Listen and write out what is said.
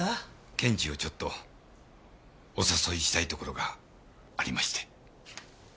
検事をちょっとお誘いしたいところがありまして。